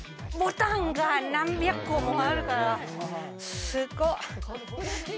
ボタンが何百個もあるから、すごっ！